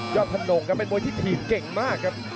ธนงครับเป็นมวยที่ถีบเก่งมากครับ